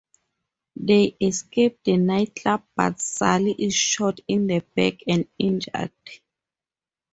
They escape the nightclub, but Sally is shot in the back and injured.